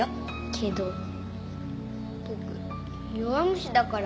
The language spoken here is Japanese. けど僕弱虫だから。